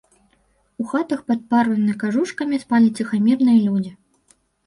У хатах пад парванымі кажушкамі спалі ціхамірныя людзі.